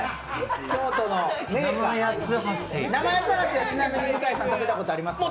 生八つ橋は、ちなみに向井さん食べたことありますか？